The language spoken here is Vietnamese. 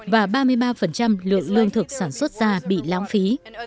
và ba mươi ba lượng lương thực sản xuất ra bị lãng phí